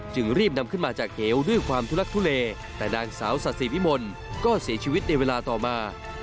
จึงรีบนำขึ้นมาจากเหวด้วยความทุลักทุเลแต่นางสาวศาสิวิมลก็เสียชีวิตในเวลาต่อมา